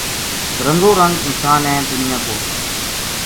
رنگو رنگ انسان ہے دنیا پو‘‘